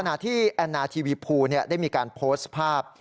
ขณะที่แอนนาทีวีภูได้มีการโพสต์ภาพ